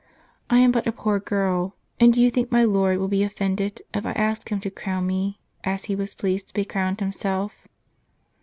I am but a poor girl, and do you think my Lord will be offended, if I ask Him to crown me, as He was pleased to be crowned Himself?